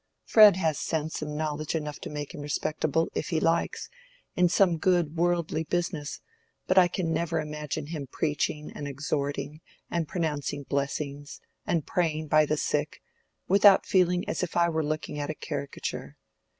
"Fred has sense and knowledge enough to make him respectable, if he likes, in some good worldly business, but I can never imagine him preaching and exhorting, and pronouncing blessings, and praying by the sick, without feeling as if I were looking at a caricature.